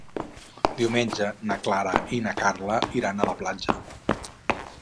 Diumenge na Clara i na Carla iran a la platja.